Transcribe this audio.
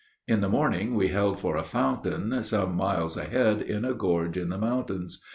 In the morning we held for a fountain some miles ahead, in a gorge in the mountains.